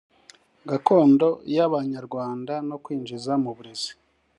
gakondo y abanyarwanda no kuwinjiza mu burezi